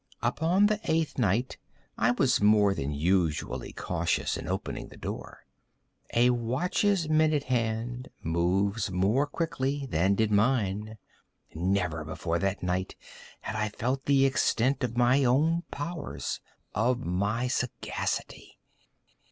Upon the eighth night I was more than usually cautious in opening the door. A watch's minute hand moves more quickly than did mine. Never before that night had I felt the extent of my own powers—of my sagacity.